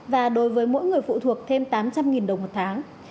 và đối với mỗi người phụ thuộc thêm tám trăm linh đồng một tháng